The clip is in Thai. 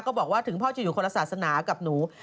บอกว่าถึงพ่อจะอยู่คนละศาสนากับหนู